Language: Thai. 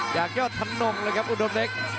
จากยอดธนงเลยครับอุดมเล็ก